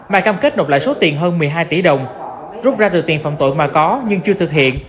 mà cam kết nộp lại số tiền hơn một mươi hai tỷ đồng rút ra từ tiền phạm tội mà có nhưng chưa thực hiện